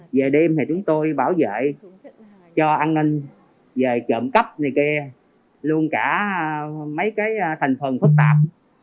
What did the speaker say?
về đêm thì chúng tôi bảo vệ cho an ninh về trộm cắp này kia luôn cả mấy cái thành phần phức tạp